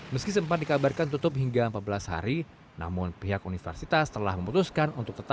meski sempat dikabarkan tutup hingga empat belas hari namun pihak universitas telah memutuskan untuk tetap